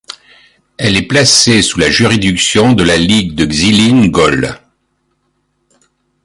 Elle est placée sous la juridiction de la ligue de Xilin Gol.